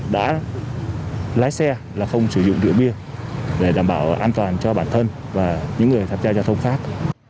đã lái xe là không sử dụng rượu bia để đảm bảo an toàn cho bản thân và những người tham gia giao thông khác